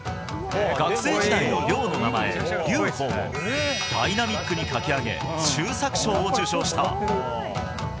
学生時代の寮の名前、龍鳳をダイナミックに書き上げ、秀作賞を受賞した。